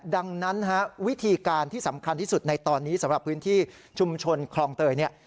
ดังนั้นวิธีการที่สำคัญที่สุดในตอนนี้สำหรับพื้นที่ชุมชนคลองเตยเนี่ย